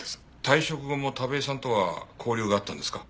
退職後も田部井さんとは交流があったんですか？